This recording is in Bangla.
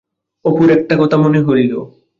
অপুর একটা কথা মনে হইল।